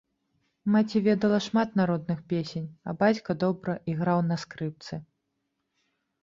Маці ведала шмат народных песень, а бацька добра іграў на скрыпцы.